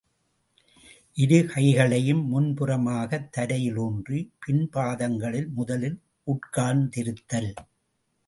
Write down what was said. இரு கைகளையும் முன்புறமாகத் தரையில் ஊன்றி, முன்பாதங்களில் முதலில் உட்கார்ந்திருத்தல்.